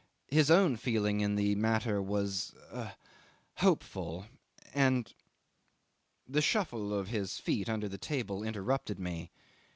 "His own feeling in the matter was ah! hopeful, and ..." 'The shuffle of his feet under the table interrupted me.